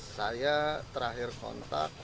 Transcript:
saya terakhir kontak